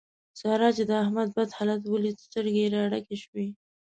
سارا چې د احمد بد حالت وليد؛ سترګې يې را ډکې شوې.